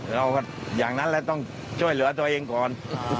อย่างนั้นแหละต้องช่วยเหลือตัวเองก่อน